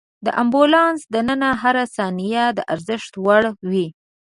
د امبولانس دننه هره ثانیه د ارزښت وړ وي.